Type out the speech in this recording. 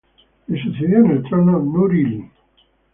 Le sucedió en el trono Nur-ili.